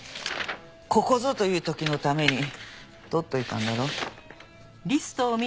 ここぞという時のために取っておいたんだろ？